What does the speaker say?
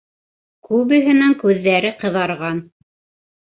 Күбеһенең күҙҙәре ҡыҙарған.